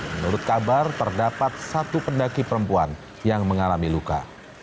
menurut kabar terdapat satu pendaki perempuan yang mengalami luka